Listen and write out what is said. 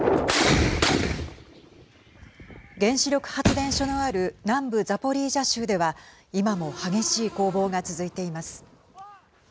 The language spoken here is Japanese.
原子力発電所のある南部ザポリージャ州では今も激しい攻防が続いています。